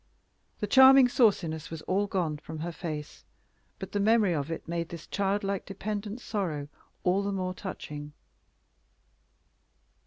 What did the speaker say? The charming sauciness was all gone from her face, but the memory of it made this childlike dependent sorrow all the more touching.